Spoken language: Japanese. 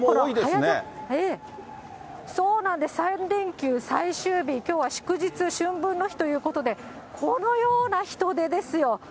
３連休最終日、きょうは祝日、春分の日ということで、このような人出ですよ。